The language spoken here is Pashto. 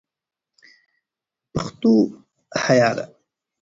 پښتو حیا ده